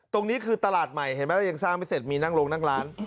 ตรงนี้คือตลาดใหม่เห็นไหมเรายังสร้างไม่เสร็จมีนั่งลงนั่งร้าน